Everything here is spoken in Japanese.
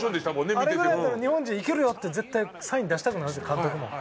あれぐらいだったら日本人いけるよって絶対サイン出したくなるんですよ監督も。